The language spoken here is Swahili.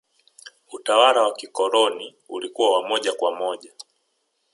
utawala wa kikoloni ulikuwa wa moja kwa moja